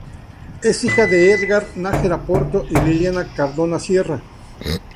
Es hija de Edgar Nájera Porto y Liliana Cardona Sierra.